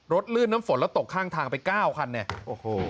ลื่นน้ำฝนแล้วตกข้างทางไปเก้าคันเนี่ยโอ้โห